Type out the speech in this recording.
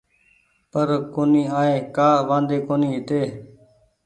پر ڪونيٚ آئي ڪآ وآدي ڪونيٚ هيتي